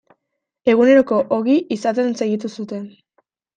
Eguneroko ogi izaten segitu zuten.